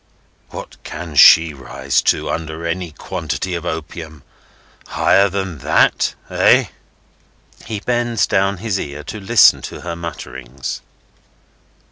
What can she rise to, under any quantity of opium, higher than that!—Eh?" He bends down his ear, to listen to her mutterings.